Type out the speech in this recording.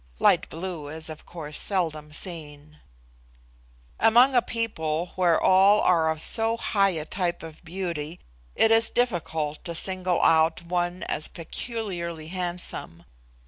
Light blue is of course seldom seen. Among a people where all are of so high a type of beauty, it is difficult to single out one as peculiarly handsome.